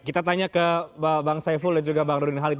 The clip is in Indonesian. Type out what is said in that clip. kita tanya ke pak saiful dan juga pak nurdin halid